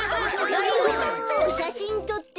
ガリホしゃしんとって。